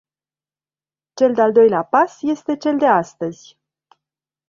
Cel de-al doilea pas este cel de astăzi.